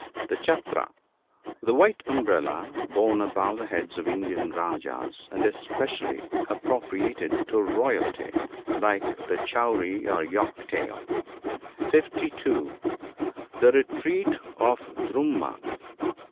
The chaltra. — The white umbrella borne above the heads of Indian rajahs, and especially appropriated to royalty, like the Chowri or Yak tail. (52.) The retreat of Dhurmma.